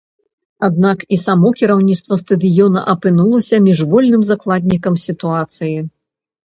Аднак і само кіраўніцтва стадыёна апынулася міжвольным закладнікам сітуацыі.